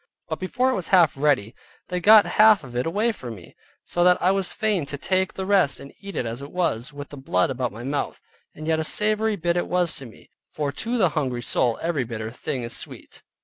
But before it was half ready they got half of it away from me, so that I was fain to take the rest and eat it as it was, with the blood about my mouth, and yet a savory bit it was to me: "For to the hungry soul every bitter thing is sweet."